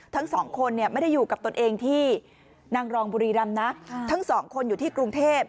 ทั้งสองคนเนี่ยไม่ได้อยู่กับตนเองที่นางรองบุรีรำนะทั้งสองคนอยู่ที่กรุงเทพ